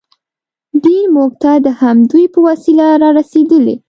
دین موږ ته د همدوی په وسیله رارسېدلی.